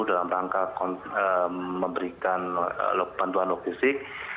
dalam rangka memberikan bantuan logistik